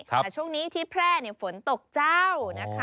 แต่ช่วงนี้ที่แพร่เอาฝนตกเจ้าคุณคิตตี่หนุ้ยนะคะ